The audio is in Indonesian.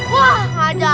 wah gak jahit